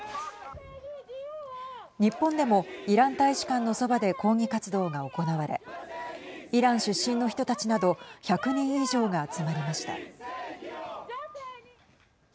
日本でもイラン大使館のそばで抗議活動が行われイラン出身の人たちなど１００人以上が集まりました。